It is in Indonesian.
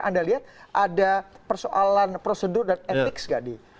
anda lihat ada persoalan prosedur dan etik nggak di